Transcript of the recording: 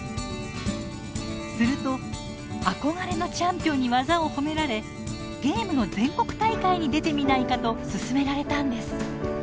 すると憧れのチャンピオンに技を褒められ「ゲームの全国大会に出てみないか」と勧められたんです。